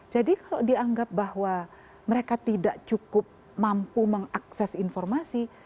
jadi kalau dianggap bahwa mereka tidak cukup mampu mengakses informasi